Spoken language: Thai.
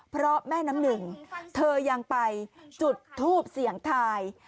เพราะแม่น้ำหนึ่งเธอยังไปจุดทูปเสี่ยงทาย